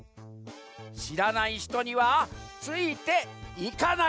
しらないひとにはついて「いか」ない。